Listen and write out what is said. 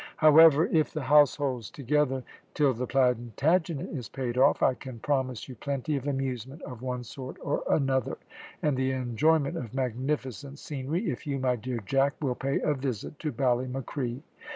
However, if the house holds together till the Plantagenet is paid off, I can promise you plenty of amusement of one sort or another, and the enjoyment of magnificent scenery, if you, my dear Jack, will pay a visit to Ballymacree.